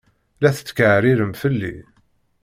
La tetkeɛrirem fell-i?